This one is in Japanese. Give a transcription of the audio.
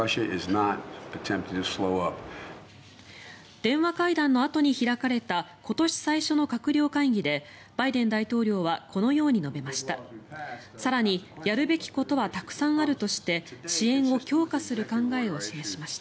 電話会談のあとに開かれた今年最初の閣僚会議でバイデン大統領はこのように述べました。